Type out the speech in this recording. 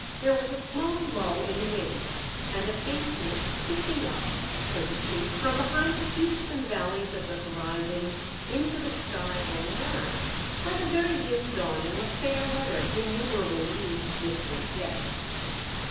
There was a small lull in the wind, and a faintness sifting up, so to speak, from behind the peaks and valleys of the horizon into the sky all around, like a very dim dawning of fair weather innumerable leagues distant yet.